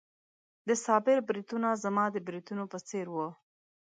د صابر بریتونه زما د بریتونو په څېر وو.